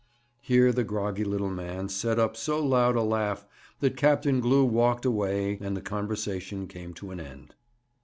"' Here the groggy little man set up so loud a laugh that Captain Glew walked away, and the conversation came to an end.